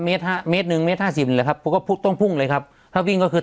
เมตรหนึ่งเมตรห้าสิบเลยครับผมก็ต้องพุ่งเลยครับถ้าวิ่งก็คือ